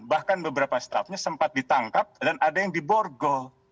bahkan beberapa staff nya sempat ditangkap dan ada yang diborgo